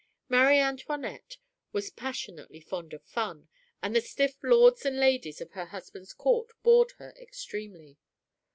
Marie Antoinette was passionately fond of fun, and the stiff lords and ladies of her husband's court bored her extremely.